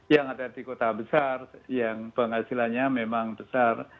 yang ada di kota besar yang penghasilannya memang besar